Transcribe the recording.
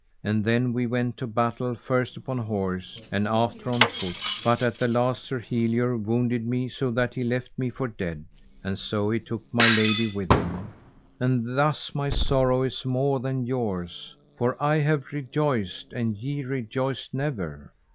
And then we went to battle first upon horse and after on foot, but at the last Sir Helior wounded me so that he left me for dead, and so he took my lady with him; and thus my sorrow is more than yours, for I have rejoiced and ye rejoiced never.